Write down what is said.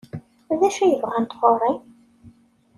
D acu ay bɣant ɣer-i?